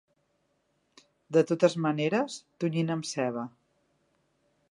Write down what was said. De totes maneres, tonyina amb ceba.